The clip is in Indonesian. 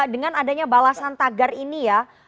dengan adanya balasan tagar ini ya